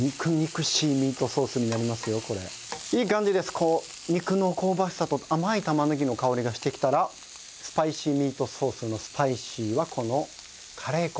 こう肉の香ばしさと甘い玉ねぎの香りがしてきたらスパイシーミートソースの「スパイシー」はこのカレー粉。